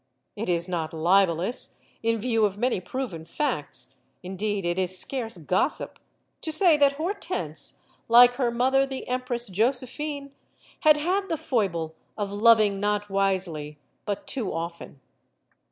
It is not libelous, in view of many proven facts indeed, it is scarce gossip to say that Hortense, like her mother, the Empress Josephine, had had the foible of loving not wisely, but too often.